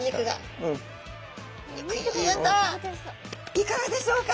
いかがでしょうか？